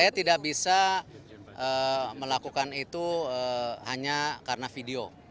saya tidak bisa melakukan itu hanya karena video